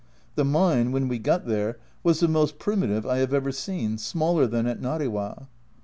The mine, when we got there, was the most primitive I have ever seen, smaller than at Nariwa.